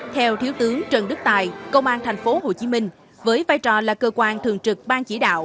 theo thiếu tướng trần đức tài công an tp hcm với vai trò là cơ quan thường trực ban chỉ đạo